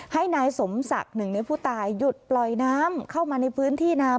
ให้นายสมศักดิ์หนึ่งในผู้ตายหยุดปล่อยน้ำเข้ามาในพื้นที่นา